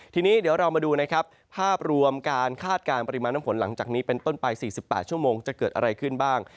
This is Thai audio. ทีนี้เดี๋ยวเรามาดูนะครับภาพรวมการคาดการณ์ปริมาณน้ำฝนหลังจากนี้เป็นต้นไป๔๘ชั่วโมงจะเกิดอะไรขึ้นบ้าง